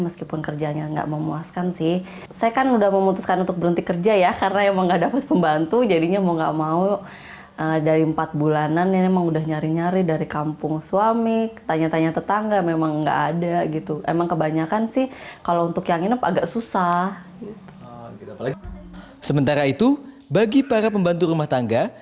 sementara itu bagi para pembantu rumah tangga